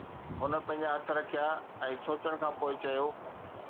هن پنهنجا هٿ رکيا ۽ سوچڻ کان پوءِ چيو.